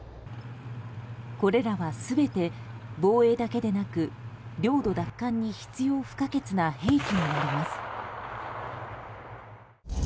これらは全て、防衛だけでなく領土奪還に必要不可欠な兵器になります。